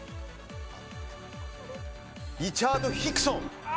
リチャード・ヒクソン。